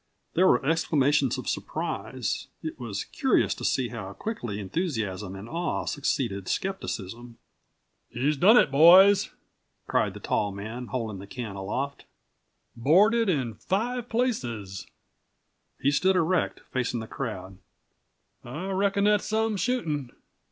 There were exclamations of surprise. It was curious to see how quickly enthusiasm and awe succeeded skepticism. "He's done it, boys!" cried the tall man, holding the can aloft. "Bored it in five places!" He stood erect, facing the crowd. "I reckon that's some shootin'!"